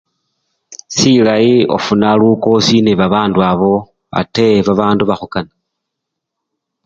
Silayi ofuna lukosi nebabandu abo ate babandu bakhukana.